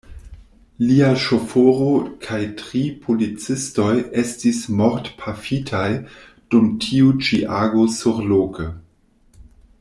Lia ŝoforo kaj tri policistoj estis mortpafitaj dum tiu ĉi ago surloke.